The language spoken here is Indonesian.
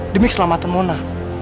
demi keselamatan mona